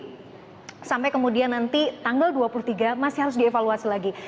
jadi sampai kemudian nanti tanggal dua puluh tiga masih harus dievaluasi lagi